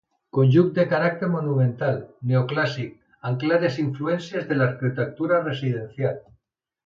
Conjunt de caràcter monumental, neoclàssic, amb clares influències de l'arquitectura residencial francesa.